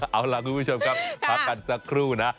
เอาล่ะคุณผู้ชมครับพักกันสักครู่นะ